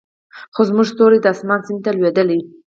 خو زموږ ستوري د اسمان سیند ته لویدلې